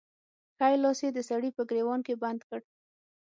ښی لاس يې د سړي په ګرېوان کې بند کړ.